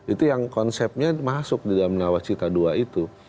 itu yang konsepnya masuk di dalam nawacita ii itu